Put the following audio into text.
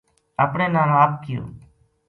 اپنے ناڑ آپ کیو